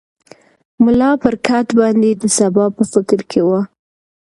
ملا پر کټ باندې د سبا په فکر کې و.